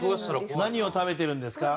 何を食べてるんですか？